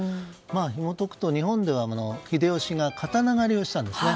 ひも解くと、日本では秀吉が刀狩りをしたんですね。